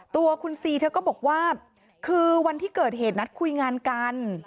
ตัวคุณซีเธอก็บอกว่าคือวันที่เกิดเหตุนัดคุยงานกัน